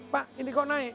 pak ini kok naik